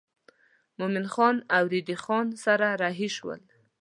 مومن خان او ریډي ګل خان سره رهي شول.